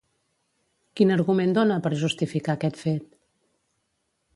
Quin argument dona per justificar aquest fet?